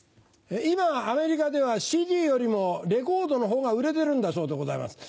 今アメリカではＣＤよりもレコードのほうが売れてるんだそうでございます。